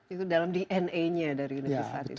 itu dalam dna nya dari universitas itu